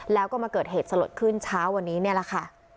แล้วก็มาเกิดเหตุสลดขึ้นเช้าวันนี้นี่แหละค่ะ